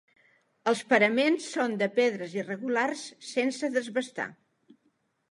Els paraments són de pedres irregulars sense desbastar.